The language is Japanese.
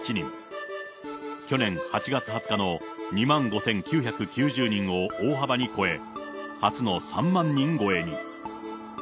去年８月２０日の２万５９９０人を大幅に超え、初の３万人超えに。